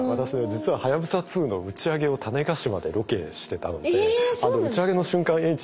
実ははやぶさ２の打ち上げを種子島でロケしてたので打ち上げの瞬間